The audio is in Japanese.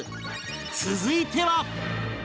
続いては